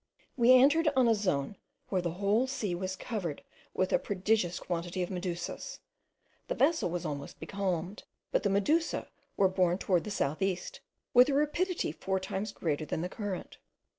We entered on a zone where the whole sea was covered with a prodigious quantity of medusas. The vessel was almost becalmed, but the mollusca were borne towards the south east, with a rapidity four times greater than the current.